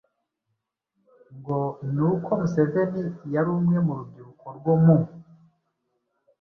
ngo ni uko Museveni yari umwe mu rubyiruko rwo mu